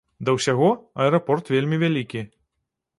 Да ўсяго, аэрапорт вельмі вялікі.